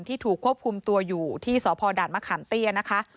ถูกควบคุมตัวอยู่ที่สพด่านมะขามเตี้ยนะคะ